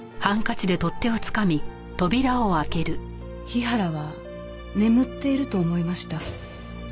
日原は眠っていると思いました。